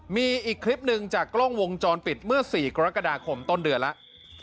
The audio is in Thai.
มีอีกคลิปหนึ่งจากกล้องวงจรปิดเมื่อ๔กรกฎาคมต้นเดือนแล้ว